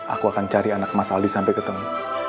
aku akan cari anak mas ali sampai ketemu